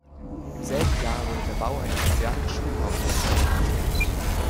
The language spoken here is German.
Im selben Jahr wurde der Bau eines modernen Schulhauses fertiggestellt.